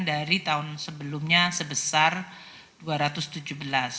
dari tahun sebelumnya sebesar rp dua ratus tujuh belas